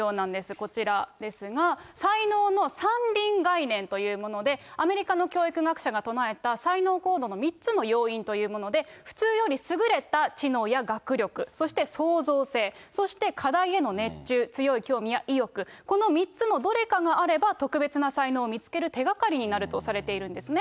こちらなんですが、才能の３輪概念というもので、アメリカの教育学者が唱えた才能コードの３つの要因というもので、普通より優れた知能や学力、そして創造性、そして課題への熱中、強い興味や意欲、この３つのどれかがあれば、特別な才能を見つける手がかりになるとされているんですね。